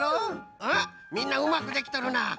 んっみんなうまくできとるな！